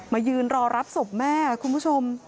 ยืนรอรับศพแม่คุณผู้ชม